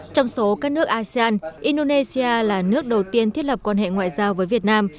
trong số các nước asean indonesia là nước đầu tiên thiết lập quan hệ ngoại giao với việt nam